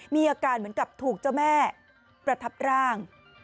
มีอาการเหมือนกับถูกเจ้าแม่ประทับร่าง